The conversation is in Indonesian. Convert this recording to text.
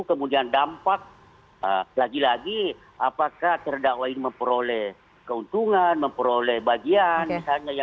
kemudian dampak lagi lagi apakah terdakwa ini memperoleh keuntungan memperoleh bagian misalnya ya